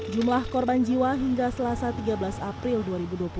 jumlah rumah milik keluarga ini adalah di desa taklale kabupaten kupang